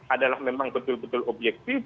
adalah memang betul betul objektif